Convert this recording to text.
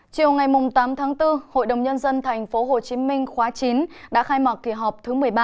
chiều ngày tám tháng bốn hội đồng nhân dân tp hcm khóa chín đã khai mạc kỳ họp thứ một mươi ba